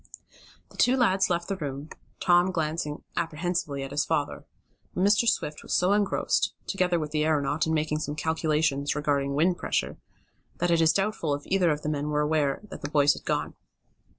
The two lads left the room, Tom glancing apprehensively at his father. But Mr. Swift was so engrossed, together with the aeronaut, in making some calculations regarding wind pressure, that it is doubtful if either of the men were aware that the boys had gone.